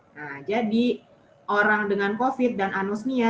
nah jadi orang dengan covid sembilan belas dan anosmia